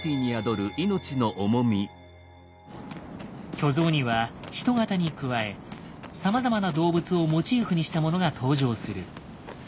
巨像には人型に加えさまざまな動物をモチーフにしたものが登場する。